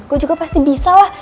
gue juga pasti bisa lah